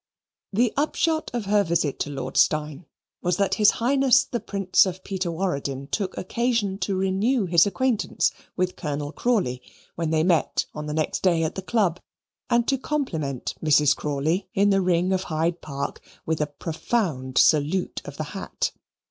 The upshot of her visit to Lord Steyne was that His Highness the Prince of Peterwaradin took occasion to renew his acquaintance with Colonel Crawley, when they met on the next day at the Club, and to compliment Mrs. Crawley in the Ring of Hyde Park with a profound salute of the hat.